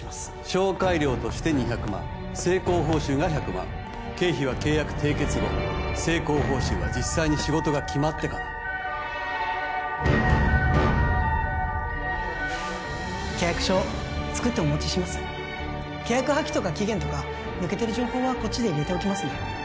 紹介料として２００万成功報酬が１００万経費は契約締結後成功報酬は実際に仕事が決まってから契約書作ってお持ちします契約破棄とか期限とか抜けてる情報はこっちで入れておきますね